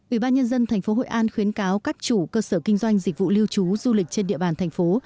ủy ban nhân dân tp hội an khuyến cáo các chủ cơ sở kinh doanh dịch vụ lưu trú du lịch trên địa bàn thành phố